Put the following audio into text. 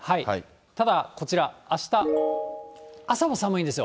ただこちら、あした、朝は寒いんですよ。